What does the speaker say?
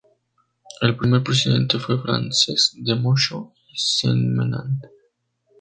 El primer presidente fue Francesc de Moxó y Sentmenat.